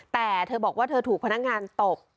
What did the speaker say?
แต่เธอบอกว่าเธอถูกพนักงานตบ